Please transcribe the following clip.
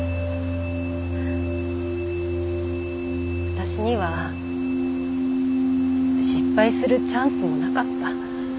私には失敗するチャンスもなかった。